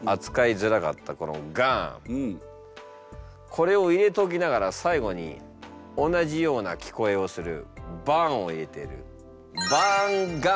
これを入れておきながら最後に同じような聞こえをする「バーン」を入れてる。